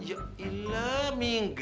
ya allah mingga